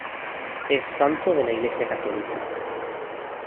Es santo de la iglesia católica.